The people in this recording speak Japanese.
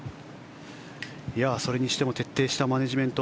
それにしても徹底したマネジメント。